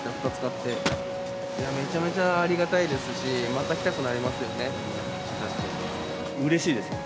いや、めちゃめちゃありがたいですし、また来たくなりますよね。